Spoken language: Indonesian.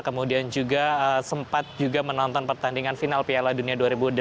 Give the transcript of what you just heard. kemudian juga sempat juga menonton pertandingan final piala dunia dua ribu delapan belas